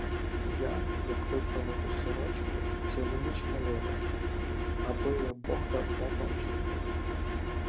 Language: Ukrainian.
— Я, як випрала ту сорочку, цілу ніч молилася, аби Бог дарував вам життя.